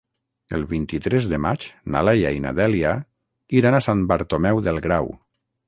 El vint-i-tres de maig na Laia i na Dèlia iran a Sant Bartomeu del Grau.